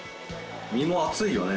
身も厚いよね。